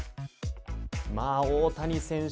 大谷選手